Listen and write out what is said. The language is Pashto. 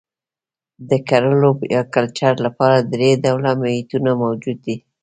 د کرلو یا کلچر لپاره درې ډوله محیطونه موجود دي.